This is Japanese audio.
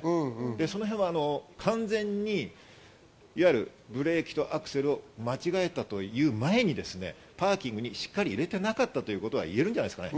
その辺は完全にいわゆるブレーキとアクセルを間違えたという前にパーキングにしっかり入れてなかったということが言えるんじゃないですかね。